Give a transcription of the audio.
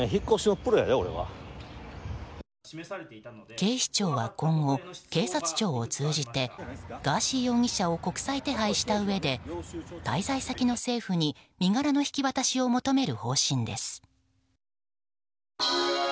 警視庁は今後、警察庁を通じてガーシー容疑者を国際手配したうえで滞在先の政府に身柄の引き渡しを求める方針です。